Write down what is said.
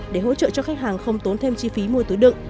để hỗ trợ cho khách hàng không tốn thêm chi phí mua túi đựng